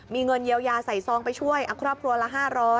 มีเงินเยียวยาใส่ซองไปช่วยครอบครัวละ๕๐๐